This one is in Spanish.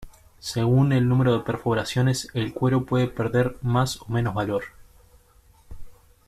Según el número de perforaciones, el cuero puede perder más o menos valor.